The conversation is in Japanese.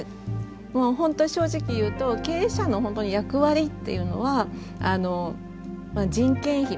もう本当は正直言うと経営者の役割っていうのはあの人件費